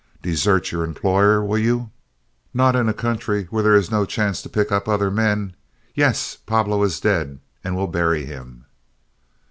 Desert your employer, will you? Not in a country where there is no chance to pick up other men. Yes, Pablo is dead, and we'll bury him."